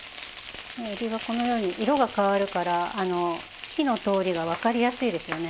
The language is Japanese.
エビはこのように色が変わるから火の通りがわかりやすいですよね。